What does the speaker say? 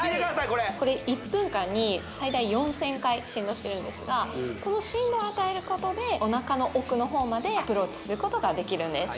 これこれ１分間に最大４０００回振動してるんですがこの振動を与えることでお腹の奥の方までアプローチすることができるんです